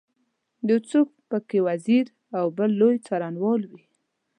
یو څوک په کې وزیر او بل لوی څارنوال وي.